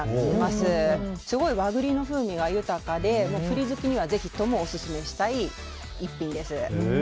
すごい和栗の風味が豊かで栗好きにはぜひともオススメしたい一品です。